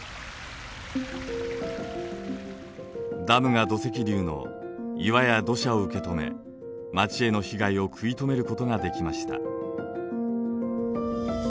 ダムが土石流の岩や土砂を受け止め町への被害を食い止めることができました。